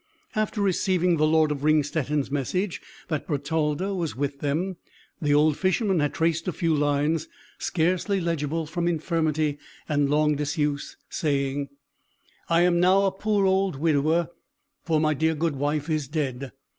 After receiving the Lord of Ringstetten's message, that Bertalda was with them, the old Fisherman had traced a few lines, scarcely legible, from infirmity and long disuse, saying, "I am now a poor old widower; for my dear good wife is dead.